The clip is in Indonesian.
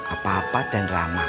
apa apa ten rama